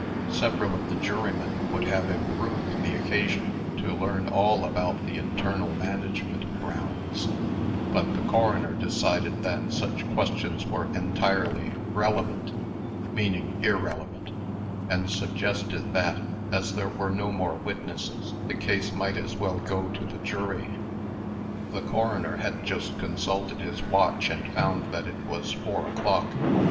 Several of the jurymen would have improved the occasion, to learn all about the internal management of Brown's; but the coroner decided that such questions were entirely "relevant" (meaning irrelevant), and suggested that, as there were no more witnesses, the case might as well go to the jury. The coroner had just consulted his watch, and found that it was four o'clock.